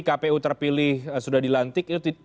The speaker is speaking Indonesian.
kpu terpilih sudah dilantik itu